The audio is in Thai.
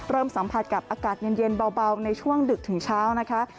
สัมผัสกับอากาศเย็นเบาในช่วงดึกถึงเช้านะคะ